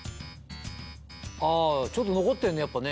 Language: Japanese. あちょっと残ってんねやっぱね。